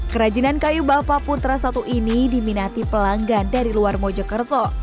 kerajinan kayu bapak putra satu ini diminati pelanggan dari luar mojokerto